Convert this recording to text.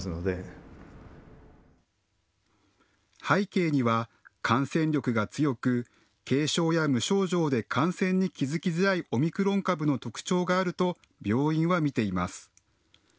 背景には感染力が強く軽症や無症状で感染に気付きづらいオミクロン株の特徴があると病院は見ています。